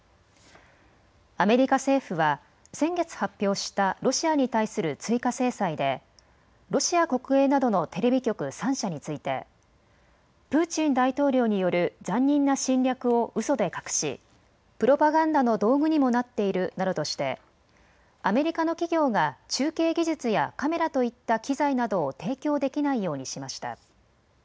アメリカ政府は先月、発表したロシアに対する追加制裁でロシア国営などのテレビ局３社についてプーチン大統領による残忍な侵略をうそで隠しプロパガンダの道具にもなっているなどとしてアメリカの企業が中継技術やカメラといった機材などを提供できないようにしました。